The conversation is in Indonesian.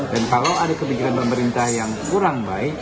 dan kalau ada kebijakan pemerintah yang kurang baik